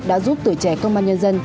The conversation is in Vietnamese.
đã giúp tuổi trẻ công an nhân dân